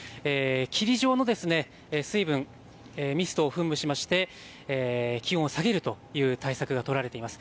霧状の水分、ミストを噴霧しまして気温を下げるという対策が取られています。